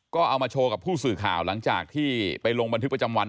ก็เอามาโชว์กับผู้สื่อข่าวหลังจากที่ไปลงบันทึกประจำวัน